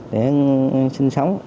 để sinh sống